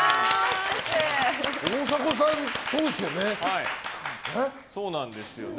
大迫さん、そうですよね。